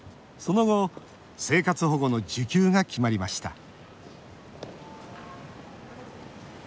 その後、生活保護の受給が決まりました